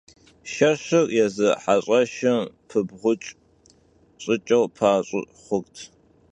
Şşeşır yêzı heş'eşım pıbğıç' ş'ıç'eu paş'ı hırt.